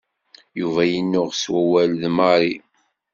Yuba yennuɣ s wawal d Mary.